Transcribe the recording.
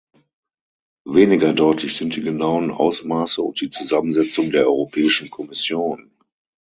Weniger deutlich sind die genauen Ausmaße und die Zusammensetzung der Europäischen Kommission.